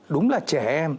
đúng là trẻ em